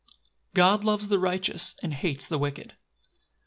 God loves the righteous and hates the wicked.